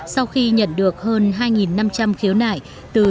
sau khi nhận được hơn hai năm trăm linh khiếu nại từ các đảng nhân dân